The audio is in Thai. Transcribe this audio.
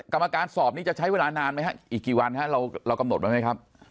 กรรมการสอบนี้จะใช้เวลานานไหมฮะอีกกี่วันฮะเรากำหนดไว้ไหมครับ